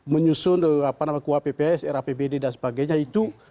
menyusun kuapps rapbd dan sebagainya itu